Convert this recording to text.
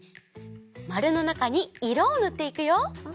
マルのなかにいろをぬっていくよ。